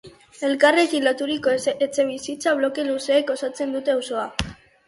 Elkarrekin loturiko etxebizitza bloke luzeek osatzen dute auzoa.